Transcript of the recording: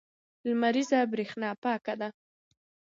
لمریزه برېښنا پاکه ده.